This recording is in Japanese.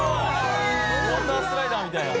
ウォータースライダーみたいな。